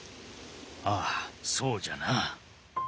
ああそうじゃな。